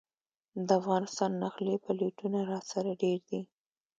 د افغانستان نقلي پلېټونه راسره ډېر دي.